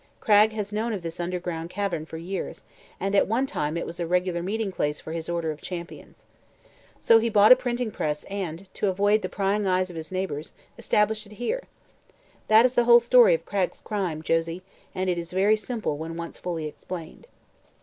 Cragg has known of this underground cavern for years, and at one time it was a regular meeting place for his order of Champions. So he bought a printing press and, to avoid the prying eyes of his neighbors, established it here. That is the whole story of Cragg's 'crime,' Josie, and it is very simple when once fully explained."